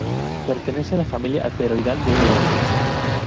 Pertenece a la familia asteroidal de Eos.